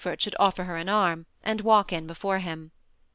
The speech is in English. rt, should offer her bu arm, and walk in before him.